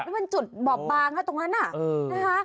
มันจุดบอบบางตรงนั้น